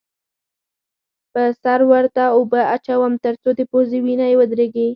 پر سر ورته اوبه اچوم؛ تر څو د پوزې وینه یې ودرېږې.